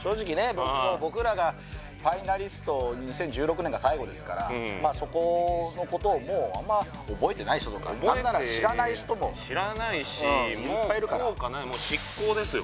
僕も僕らがファイナリスト２０１６年が最後ですからそこのことをもうあんま覚えてない人とか何なら知らない人も知らないしもう効果ないいっぱいいるから失効ですよ